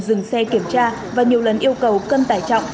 dừng xe kiểm tra và nhiều lần yêu cầu cân tải trọng